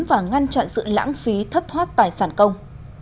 và ngăn chặn sự lãng phí thất thoát tài sản công